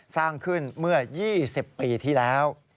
สร้างขึ้นเมื่อ๒๐ปีที่แล้ว